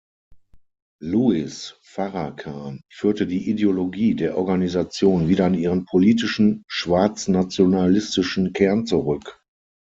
Louis Farrakhan führte die Ideologie der Organisation wieder an ihren politischen, schwarz-nationalistischen Kern zurück.